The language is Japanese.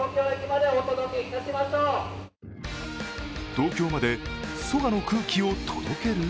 東京まで蘇我の空気を届ける？